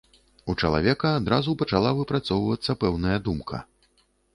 У чалавека адразу пачала выпрацоўвацца пэўная думка.